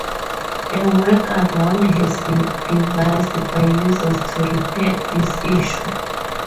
A workaround has been devised by users to repair this issue.